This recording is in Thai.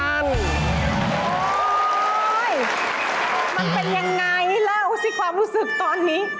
มันเป็นยังไงเล่าสิความรู้สึกตอนนี้